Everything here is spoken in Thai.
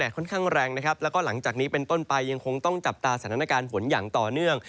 ค่อนข้างแรงนะครับแล้วก็หลังจากนี้เป็นต้นไปยังคงต้องจับตาสถานการณ์ฝนอย่างต่อเนื่อง